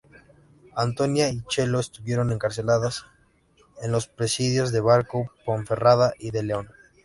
Antonia y Chelo estuvieron encarceladas en los presidios de Barco, Ponferrada, y de León.